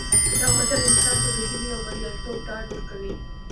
دغه متل انسان ته د هیلې او بریالیتوب ډاډ ورکوي